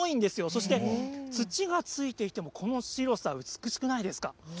そして、土がついていてもこの白さ、美しくないですか？